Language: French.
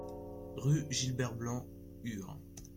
Rue Gilbert Blanc, Ur